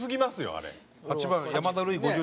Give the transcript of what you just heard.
あれ。